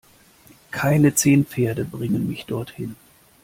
Keine zehn Pferde bringen mich dorthin!